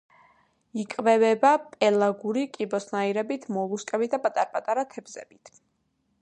იკვებება პელაგური კიბოსნაირებით, მოლუსკებითა და პატარ-პატარა თევზებით.